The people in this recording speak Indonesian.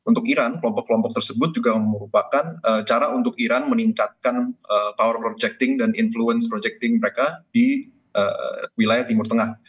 untuk iran kelompok kelompok tersebut juga merupakan cara untuk iran meningkatkan power projecting dan influence projecting mereka di wilayah timur tengah